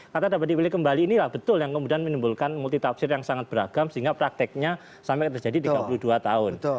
karena dapat dipilih kembali inilah betul yang kemudian menimbulkan multi tafsir yang sangat beragam sehingga prakteknya sampai terjadi tiga puluh dua tahun